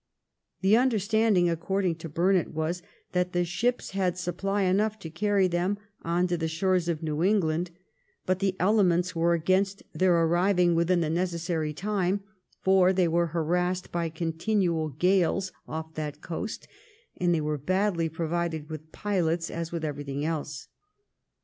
The understanding, according to Burnet, was that the ships had supply enough to carry them on to the shores of New England, but the elements were against their arriving within the necessary time, for they were harassed by continual gales off that coast, and they were badly provided with pilots, as with everything else.